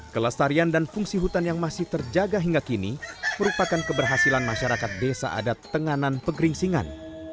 kelestarian dan fungsi hutan yang masih terjaga hingga kini merupakan keberhasilan masyarakat desa adat tenganan pegeringsingan